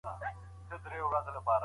خلګ باید یو بل ته درناوی پرېنږدي.